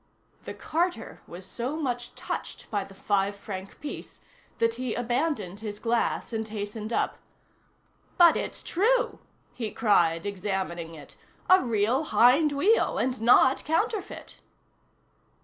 The carter was so much touched by the five franc piece, that he abandoned his glass and hastened up. "But it's true!" he cried, examining it. "A real hind wheel! and not counterfeit!"